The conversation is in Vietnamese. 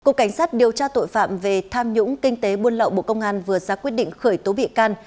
cục cảnh sát điều tra tội phạm về tham nhũng kinh tế buôn lậu bộ công an vừa ra quyết định khởi tố bị can